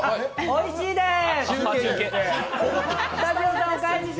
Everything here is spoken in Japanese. おいしいでーす。